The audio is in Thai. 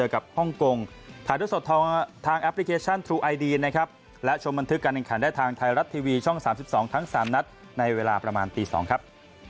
ขอบคุณครับ